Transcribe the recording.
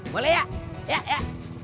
boleh yak yak yak